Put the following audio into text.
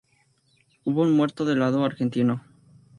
Hubo un muerto del lado argentino.